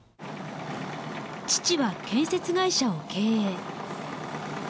父は建設会社を経営。